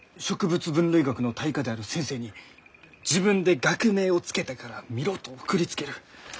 分類学の大家である先生に「自分で学名を付けたから見ろ」と送りつける。